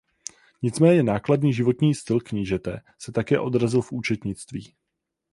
Nicméně nákladný životní styl knížete se také odrazil v účetnictví.